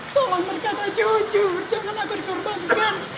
tolong berkata jujur jangan aku dikorbankan